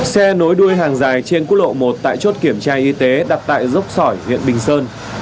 xe nối đuôi hàng dài trên quốc lộ một tại chốt kiểm tra y tế đặt tại dốc sỏi huyện bình sơn